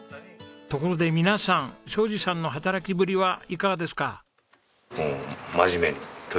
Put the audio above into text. ところで皆さん将次さんの働きぶりはいかがですか？